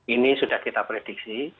ini sudah kita prediksi